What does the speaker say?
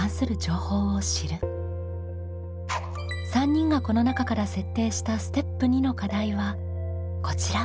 ３人がこの中から設定したステップ２の課題はこちら。